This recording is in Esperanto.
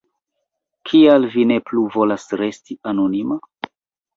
Kial vi ne plu volas resti anonima?